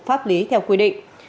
pháp lý theo quy định